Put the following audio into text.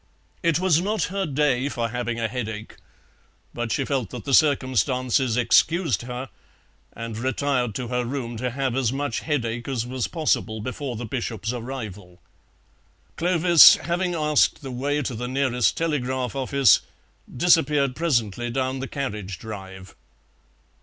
It was not her day for having a headache, but she felt that the circumstances excused her, and retired to her room to have as much headache as was possible before the Bishop's arrival. Clovis, having asked the way to the nearest telegraph office, disappeared presently down the carriage drive.